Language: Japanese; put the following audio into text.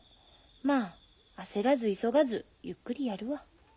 まあ焦らず急がずゆっくりやるわ。